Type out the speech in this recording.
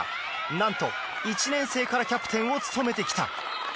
何と、１年生からキャプテンを務めてきた。